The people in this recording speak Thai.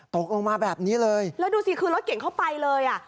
ตกลงมาแบบนี้เลยแล้วดูสิคือรถเก่งเข้าไปเลยอ่ะ